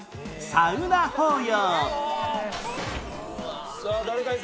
サウナ法要。